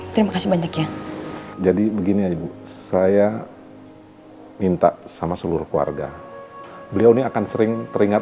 terima kasih banyak ya jadi begini ibu saya minta sama seluruh keluarga beliau ini akan sering teringat